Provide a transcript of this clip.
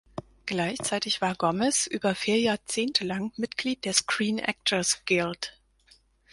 Gleichzeitig war Gomez über vier Jahrzehnte lang Mitglied der Screen Actors Guild.